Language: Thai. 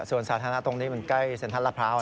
ส่วนสาธารณะตรงนี้มันใกล้เศรษฐรรพร้าวนะ